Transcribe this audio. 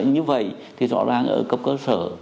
như vậy thì rõ ràng ở cấp cơ sở